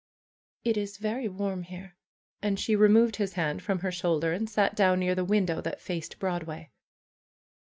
It is very warm here!'' And she removed his hand from her shoulder and sat down near the win dow that faced Broadway.